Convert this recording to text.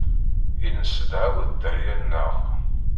I nesedhaw dderya-nneɣ.